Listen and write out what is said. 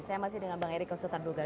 saya masih dengan bang erika ustadz dugar